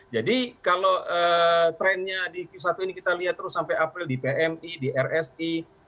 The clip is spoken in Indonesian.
jadi kalau trennya di q satu ini kita lihat terus sampai april di pmi di rsi